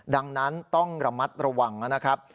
ดังนั้นต้องระมัดระวังนะครับ